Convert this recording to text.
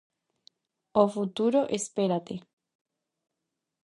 O futuro espérate.